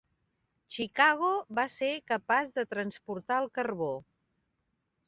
"Chicago" va ser capaç de transportar el carbó.